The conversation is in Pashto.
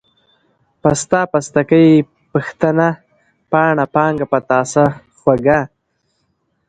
پسته ، پستکۍ ، پښتنه ، پاڼه ، پانگه ، پتاسه، خوږه،